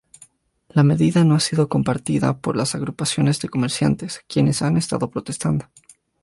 La medida no ha sido compartida por las agrupaciones de comerciantes, quienes han protestado.